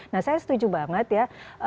nah saya setuju banget ya